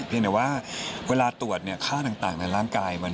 ยังแต่ว่าเวลาตรวจค่าต่างในร่างกายมัน